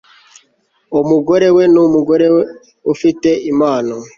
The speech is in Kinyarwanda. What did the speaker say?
Umugore we ni umugore ufite impano